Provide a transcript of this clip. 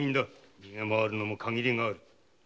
逃げ回るのもかぎりがある。